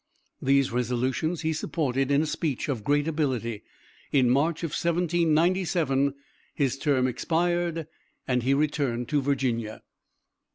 These resolutions he supported in a speech of great ability. In March, 1797, his term expired, and he returned to Virginia.